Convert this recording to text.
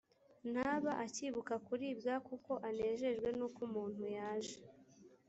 ntaba akibuka kuribwa kuko anejejwe n uko umuntu yaje